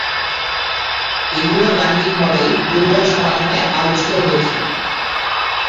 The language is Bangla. এগুলোর গাণিতিক মডেল দুর্বল সমাধান এ আলোচিত হয়েছে।